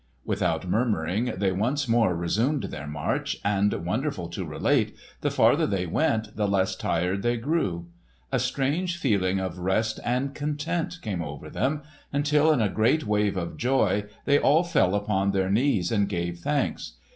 Without murmuring they once more resumed their march, and, wonderful to relate, the farther they went the less tired they grew. A strange feeling of rest and content came over them until in a great wave of joy they all fell upon their knees and gave thanks.